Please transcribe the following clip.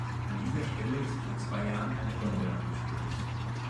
An dieser Stelle ist vor zwei Jahren eine Gondel abgestürzt.